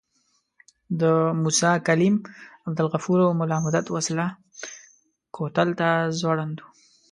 د موسی کلیم، عبدالغفور او ملا مدت وسله کوتل ته ځوړند وو.